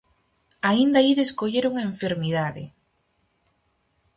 Aínda ides coller unha enfermidade!